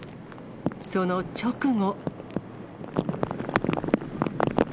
その直後。